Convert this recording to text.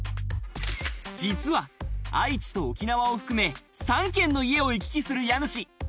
実は愛知と沖縄を含め３軒の家を行き来する家主。